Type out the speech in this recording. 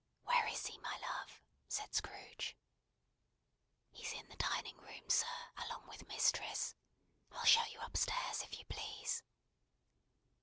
"Where is he, my love?" said Scrooge. "He's in the dining room, sir, along with mistress. I'll show you up stairs, if you please."